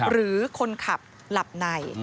หรือคนขับหลับใน